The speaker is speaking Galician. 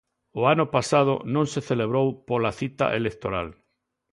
O ano pasado non se celebrou pola cita electoral.